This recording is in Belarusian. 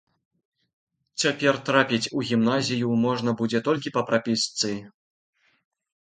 Цяпер трапіць у гімназію можна будзе толькі па прапісцы.